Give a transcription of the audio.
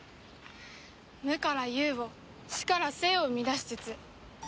無から有を死から生を生み出す術。